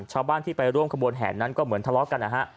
ชาวบ้านที่ไปร่วมขบวนแห่นั้นก็เหมือนทะเลาะกันนะฮะ